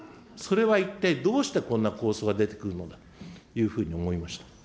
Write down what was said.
それは一体どうしてこんな構想が出てくるのだというふうに思いました。